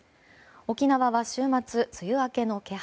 沖縄は週末梅雨明けの気配